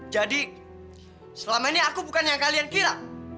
jadi selama ini aku bukan yang kalian kira